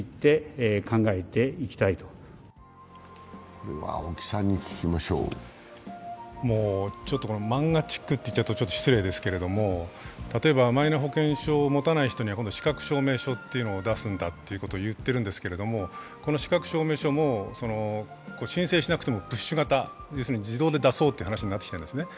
そんな中、岸田総理漫画チックと言っちゃうとちょっと失礼ですけれども、例えばマイナ保険証を持たない人には資格証明書というものを出すんだということを言っているんですけど、この資格証明書も申請しなくてもプッシュ型、要するに自動で出そうといってきたんですね。